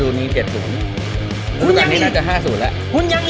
รูดวกานนี้ก็จะ๕๐แล้ว